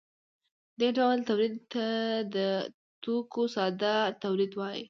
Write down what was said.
دې ډول تولید ته د توکو ساده تولید وايي.